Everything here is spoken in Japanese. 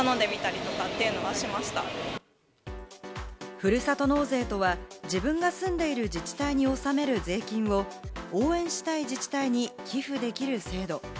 ふるさと納税とは、自分が住んでいる自治体に納める税金を応援したい自治体に寄付できる制度。